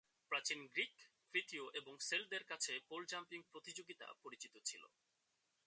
প্রাচীন গ্রিক, ক্রীতীয় এবং সেল্টদের কাছে পোল জাম্পিং প্রতিযোগিতা পরিচিত ছিল।